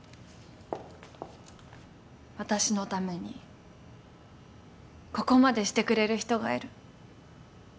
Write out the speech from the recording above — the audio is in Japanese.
私のためにここまでしてくれる人がいる。